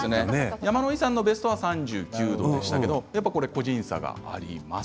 山野井さんのベストは３９度でしたが個人差があります。